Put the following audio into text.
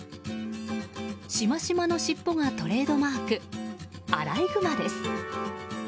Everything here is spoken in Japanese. しましまの尻尾がトレードマークアライグマです。